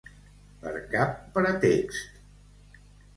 Per cap pretext.